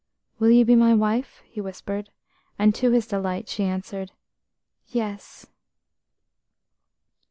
"Will you be my wife?" he whispered, and to his delight she answered, "Yes."